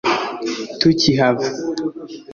tukihava